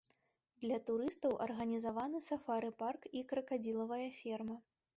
Для турыстаў арганізаваны сафары-парк і кракадзілавая ферма.